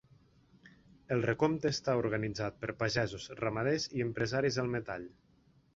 El recompte està organitzat per pagesos, ramaders i empresaris del metall.